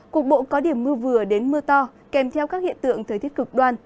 cục bộ có điểm mưa vừa đến mưa to kèm theo các hiện tượng thời tiết cực đoan